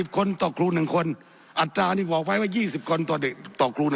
คนต่อครูนึงคนอาจารย์นี้บอกไว้ว่า๒๐คนตอนนี่ต่อครู๑